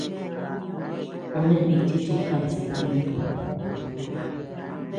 Ú neʼe nichi chi jeas itintu.